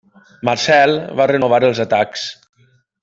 Marcel va renovar els atacs.